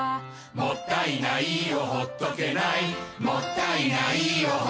「もったいないをほっとけない」「もったいないをほっとけない」